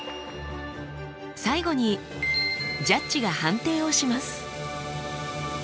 最後にジャッジが判定をします。